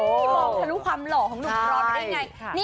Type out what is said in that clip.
ทำงงข้ารุความหล่อของหนุ่มรอดไปได้ไง